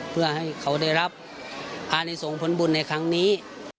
เพื่อให้เขาได้รับภายในส่งผลบุญในครั้งนี้